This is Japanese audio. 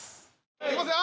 行きますよ！